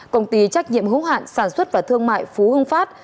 công ty trách nhiệm hữu hạn sản xuất và thương mại phú hưng phát